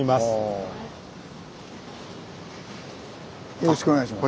よろしくお願いします。